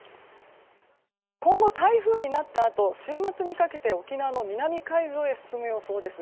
今後、台風になったあと週末にかけて沖縄の南海上へ進む予想です。